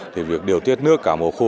thì việc điều tiết nước cả mùa khô